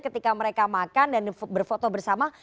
ketika mereka makan dan berfoto bersama